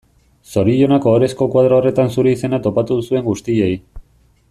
Zorionak ohorezko koadro horretan zure izena topatu duzuen guztiei.